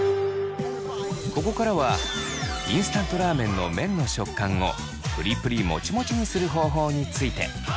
ここからはインスタントラーメンの麺の食感をプリプリもちもちにする方法について。